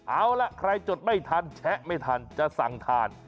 เอาล่ะใครจดไม่ทันแชะไม่ทันจะสั่งทาน